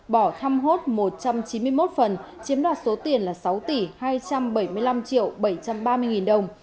bỏ khăm hốt một trăm chín mươi một phần chiếm đoạt số tiền là sáu tỷ hai trăm bảy mươi năm triệu bảy trăm ba mươi nghìn đồng